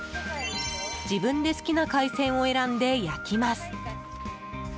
自分で好きな海鮮を選んで焼きます。